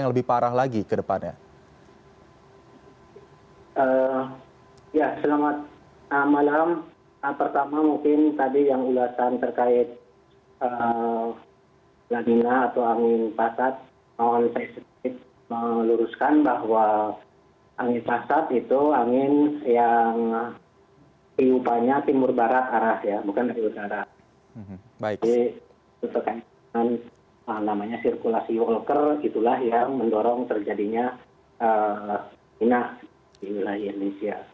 jadi itu terkait dengan namanya sirkulasi walker itulah yang mendorong terjadinya minah di wilayah indonesia